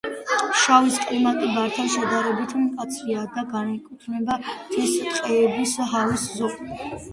ფშავის კლიმატი ბართან შედარებით მკაცრია და განეკუთვნება მთის ტყეების ჰავის ზოლს.